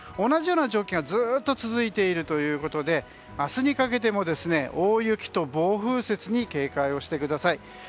同じような状況がずっと続いているということで明日にかけても大雪と暴風雪に警戒をしてください。